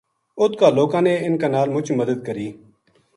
اُت کا لوکاں نے انھ کے نال مُچ مدد کری